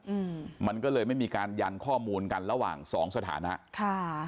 อืมมันก็เลยไม่มีการยันข้อมูลกันระหว่างสองสถานะค่ะ